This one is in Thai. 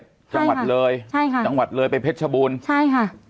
จังหวัดเลยใช่ค่ะจังหวัดเลยไปเพชรชบูรณ์ใช่ค่ะ